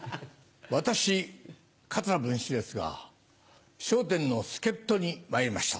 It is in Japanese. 私桂文枝ですが『笑点』の助っ人にまいりました。